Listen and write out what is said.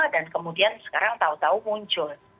dan kemudian sekarang tau tau muncul